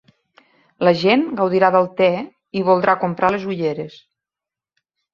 La gent gaudirà del te i voldrà comprar les ulleres.